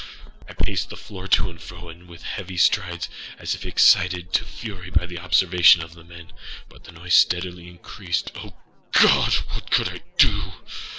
I paced the floor to and fro with heavy strides, as if excited to fury by the observations of the menâbut the noise steadily increased. Oh God! what could I do?